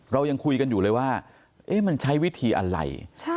เรายังคุยกันอยู่เลยว่ามันใช้วิธีอะไร